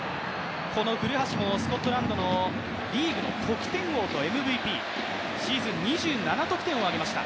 この古橋もスコットランドリーグの得点王とＭＶＰ、シーズン２７得点を挙げました。